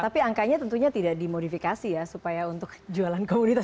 tapi angkanya tentunya tidak dimodifikasi ya supaya untuk jualan komunitas